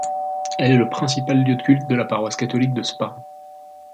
Elle est le principal lieu de culte de la paroisse catholique de Spa.